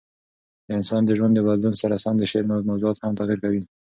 د انسان د ژوند د بدلون سره سم د شعر موضوعات هم تغیر کوي.